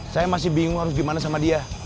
saya masih bingung harus gimana sama dia